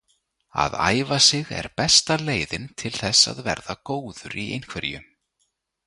Að æfa sig er besta leiðin til þess að verða góður í einhverju.